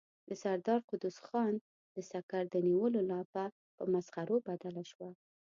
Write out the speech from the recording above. د سردار قدوس خان د سکر د نيولو لاپه په مسخرو بدله شوه.